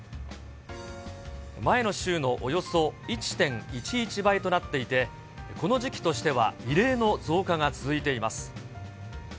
前の週のおよそ１．１１倍となっていて、この時期としては異例の増加が続いています。